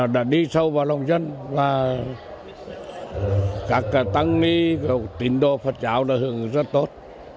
đã đi sâu vào lòng dân và các tăng ni tình độ phật giáo đã hưởng rất tốt